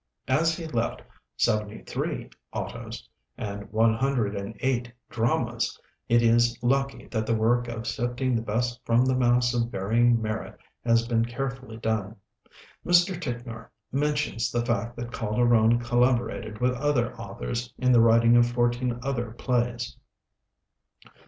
As he left seventy three autos and one hundred and eight dramas, it is lucky that the work of sifting the best from the mass of varying merit has been carefully done. Mr. Ticknor mentions the fact that Calderon collaborated with other authors in the writing of fourteen other plays.